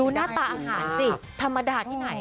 หน้าตาอาหารสิธรรมดาที่ไหน